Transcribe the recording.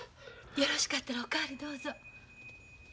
よろしかったらお代わりどうぞ。